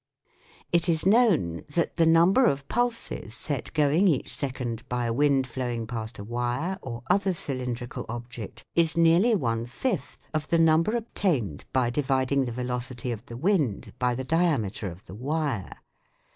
It is known that the number of pulses set going each second by a wind flowing past a wire or other cylindrical object is nearly one fifth of the number obtained by dividing the velocity of the wind by the diameter of the wire.